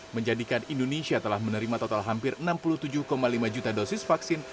menjadikan indonesia telah menerima total hampir enam puluh tujuh lima juta dosis vaksin